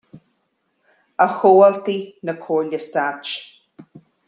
A chomhaltaí na Comhairle Stáit